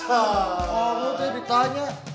kamu tuh ditanya